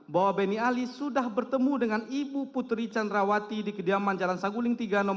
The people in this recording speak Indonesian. bahwa beni ali sudah bertemu dengan ibu putri candrawati di kediaman jalan sangguling tiga no dua puluh sembilan